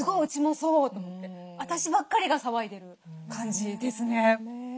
私ばっかりが騒いでる感じですね。